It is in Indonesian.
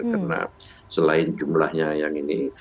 karena selain jumlahnya yang ini